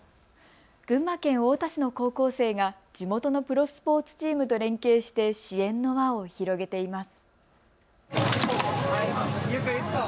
群馬県太田市の高校生が地元のプロスポーツチームと連携して支援の輪を広げています。